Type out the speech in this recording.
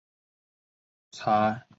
采访大联盟新闻。